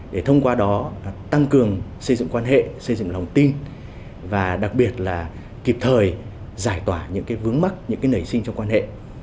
để thông qua đó tăng cường xây dựng quan hệ xây dựng lòng tin và đặc biệt là kịp thời giải tỏa những vướng mắc những nảy sinh trong quan hệ